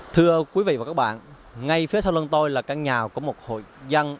thưa quý vị và các bạn ngay phía sau lưng tôi là căn nhà của một hội dân